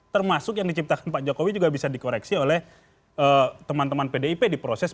termasuk yang diciptakan pak jokowi juga bisa dikoreksi oleh teman teman pdip di proses